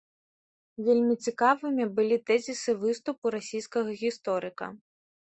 Вельмі цікавымі былі тэзісы выступу расійскага гісторыка.